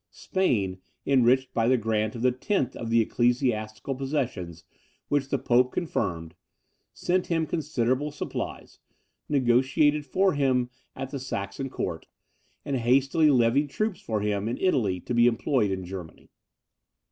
Spain, enriched by the grant of the tenth of the ecclesiastical possessions, which the pope confirmed, sent him considerable supplies, negociated for him at the Saxon court, and hastily levied troops for him in Italy to be employed in Germany.